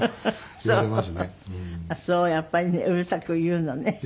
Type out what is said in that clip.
やっぱりねうるさく言うのね。